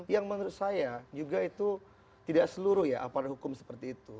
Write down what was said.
yang menurut saya juga itu tidak seluruh ya aparat hukum seperti itu